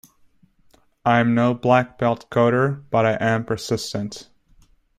I'm no black belt coder but I am persistent.